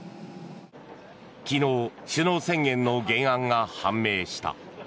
昨日、首脳宣言の原案が判明した。